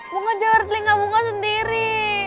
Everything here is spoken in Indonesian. bunga jewer telinga bunga sendiri